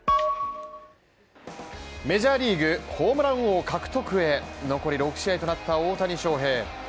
メジャーリーグホームラン王獲得へ残り６試合となった大谷翔平。